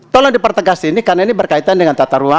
tolong dipertegas ini karena ini berkaitan dengan tata ruang